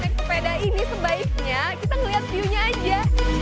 kepada ini sebaiknya kita melihat view nya aja